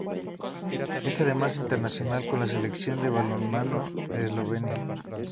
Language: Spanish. Es además internacional con la Selección de balonmano de Eslovenia.